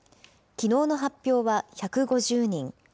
きのうの発表は１５０人。